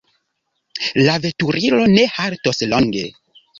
La veturilo ne haltos longe.